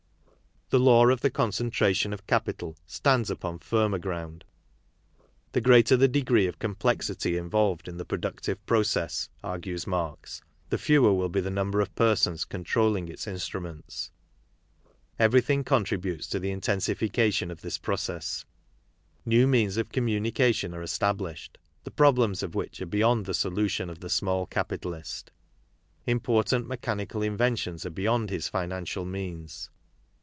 The law of the concentration of capital stands upon] firmer ground. The greater the degree of complexity involved in the productive process, argues Marx, the fewer will be the number of persons controlling its instruments. Everything contributes to the intensifica tion of this process. New means of communication are established, the problems of which are beyond the solu tion of the small capitalist. Important mechanical inventions are beyond his financial means.